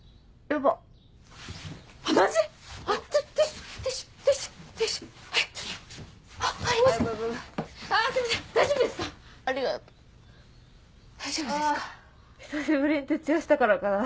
久しぶりに徹夜したからかな。